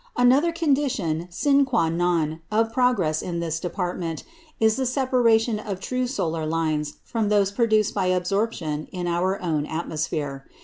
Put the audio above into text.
Another condition sine quâ non of progress in this department is the separation of true solar lines from those produced by absorption in our own atmosphere.